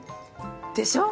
でしょ。